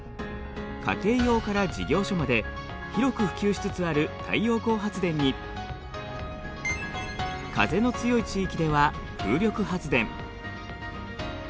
家庭用から事業所まで広く普及しつつある太陽光発電に風の強い地域では風力発電。